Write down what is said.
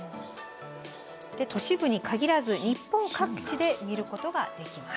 都市部に限らず日本各地で見ることができます。